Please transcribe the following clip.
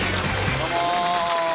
どうも。